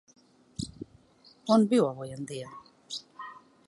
On viu avui en dia?